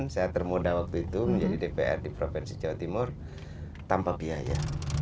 saya termuda waktu itu menjadi dpr di provinsi jawa timur tanpa biaya